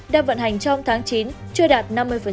đang vận hành trong tháng chín chưa đạt năm mươi